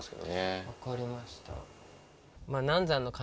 わかりました。